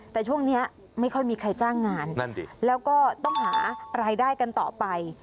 แต่ช่วงนี้ไม่ค่อยมีใครจ้างงานนั่นดิแล้วก็ต้องหารายได้กันต่อไป